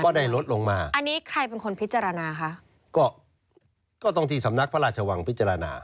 ได้ลดลงมาอันนี้ใครเป็นคนพิจารณาคะก็ก็ต้องที่สำนักพระราชวังพิจารณา